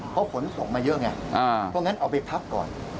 เพราะฝนตกมาเยอะไงก็งั้นเอาไปพักก่อน